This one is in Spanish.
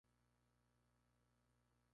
Se encuentra en Bolivia y Chile.